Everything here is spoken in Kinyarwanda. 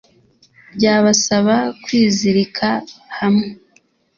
Byabasaba kwizirika hamwe